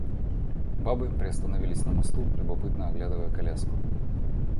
Бабы приостановились на мосту, любопытно оглядывая коляску.